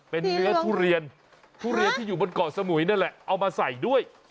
เป็นเนื้อทุเรียนทุเรียนที่อยู่บนเกาะสมุยนั่นแหละเอามาใส่ด้วย